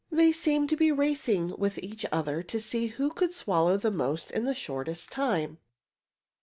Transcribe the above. They seemed to be racing with each other to see who could swallow the most in the shortest time.